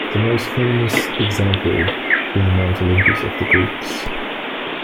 The most famous example being Mount Olympus of the Greeks.